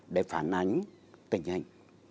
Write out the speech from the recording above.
để phản ánh tình hình